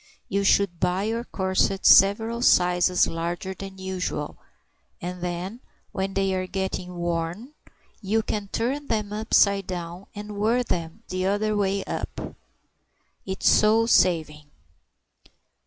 You should buy your corsets several sizes larger than usual, and then when they are getting worn, you can turn them upside down and wear them the other way up. It's so saving."